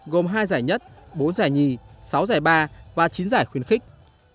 gồm hai giải nhất bốn giải nhì sáu giải ba và chín giải khuyến khích